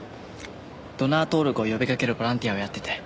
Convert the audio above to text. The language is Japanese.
ドナー登録を呼びかけるボランティアをやってて。